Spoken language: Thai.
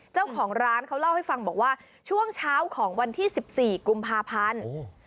เจ้าของร้านเขาเล่าให้ฟังบอกว่าช่วงเช้าของวันที่๑๔กุมภาพันธ์